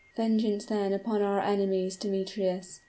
"Vengeance, then, upon our enemies, Demetrius!"